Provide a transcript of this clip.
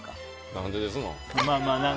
何でですの？